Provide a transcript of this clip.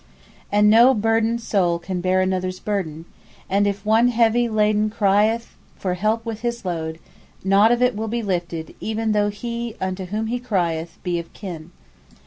P: And no burdened soul can bear another's burden, and if one heavy laden crieth for (help with) his load, naught of it will be lifted even though he (unto whom he crieth) be of kin.